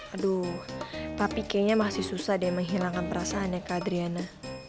aduh tapi kayaknya masih susah deh menghilangkan perasaannya kak adriana